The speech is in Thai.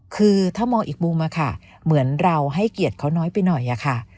คือถ้ามองอีกมุมค่ะเหมือนเราให้เกียรติเขาน้อยไปหน่อยอะค่ะ